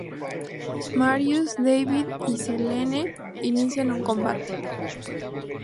Marius, David y Selene inician un combate.